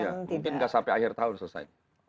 iya mungkin tidak sampai akhir tahun selesai